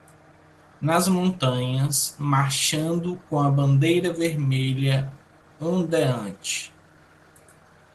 Nas montanhas, marchando com a bandeira vermelha ondeante